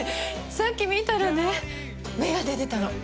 さっき見たらね芽が出てたの。